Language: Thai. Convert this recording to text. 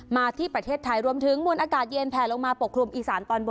มาที่ประเทศไทยรวมถึงมวลอากาศเย็นแผลลงมาปกคลุมอีสานตอนบน